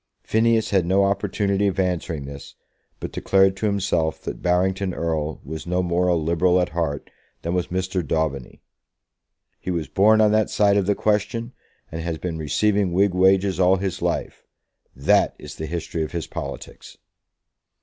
Phineas had no opportunity of answering this, but declared to himself that Barrington Erle was no more a Liberal at heart than was Mr. Daubeny. "He was born on that side of the question, and has been receiving Whig wages all his life. That is the history of his politics!"